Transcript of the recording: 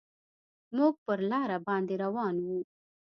موږ پر لاره باندې روان وو.